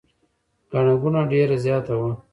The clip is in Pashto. ګڼه ګوڼه ډېره زیاته وه.